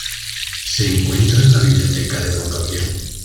Se encuentra en la "Biblioteca de Don Gabriel".